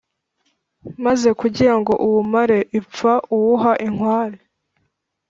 maze kugira ngo uwumare ipfa, uwuha inkware,